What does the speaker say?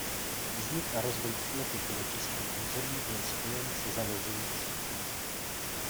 Vznik a rozvoj atletiky na českém území byl spojen se založením Sokola.